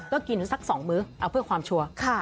ก็กินสัก๒มื้อเอาเพื่อความชัวร์